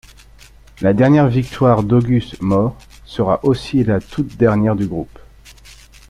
La dernière victoire d'August Mors sera aussi la toute dernière du groupe.